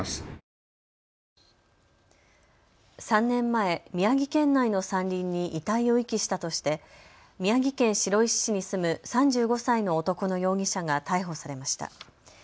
３年前、宮城県内の山林に遺体を遺棄したとして宮城県白石市に住む３５歳の男の容疑者が逮捕されました。